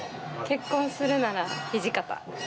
結婚するなら土方。